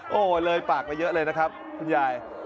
โอ้โหเลยปากไปเยอะเลยนะครับคุณยาย